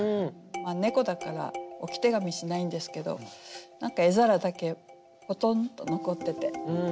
猫だから置手紙しないんですけど何か餌皿だけぽとんとのこってて。